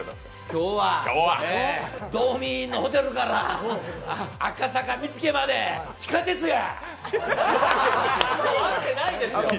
今日は、ドーミインのホテルから赤坂見附まで地下鉄や！